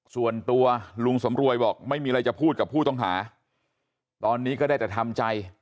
ส่วนตัวลุงสำรวยบอกไม่มีอะไรจะพูดกับผู้ต้องหาตอนนี้ก็ได้แต่ทำใจ